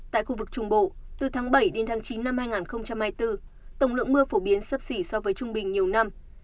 tại khu vực trung bộ từ tháng bảy chín hai nghìn hai mươi bốn tổng lượng mưa phổ biến sấp xỉ so với trung bình nhiều năm